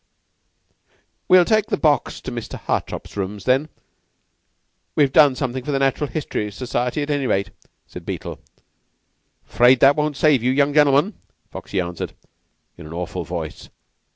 "Well, take this box to Mr. Hartopp's rooms, then. We've done something for the Natural History Society, at any rate," said Beetle. "'Fraid that won't save you, young gen'elmen," Foxy answered, in an awful voice.